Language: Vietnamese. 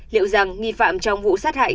liệu rằng nghi phạm trong vụ sát hại